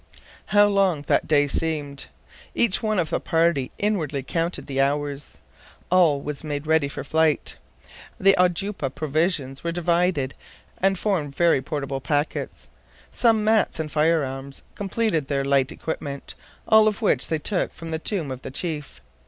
How long that day seemed. Each one of the party inwardly counted the hours. All was made ready for flight. The oudoupa provisions were divided and formed very portable packets. Some mats and firearms completed their light equipment, all of which they took from the tomb of the chief.